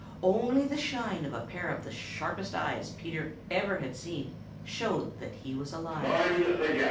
Only the shine of a pair of the sharpest eyes Peter ever had seen showed that he was alive.